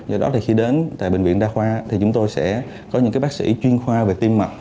do đó khi đến bệnh viện đa khoa chúng tôi sẽ có những bác sĩ chuyên khoa về tim mạch